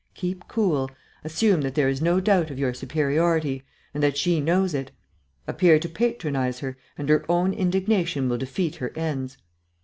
Keep cool, assume that there is no doubt of your superiority, and that she knows it. Appear to patronize her, and her own indignation will defeat her ends."